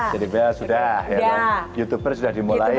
jadi sudah youtuber sudah dimulai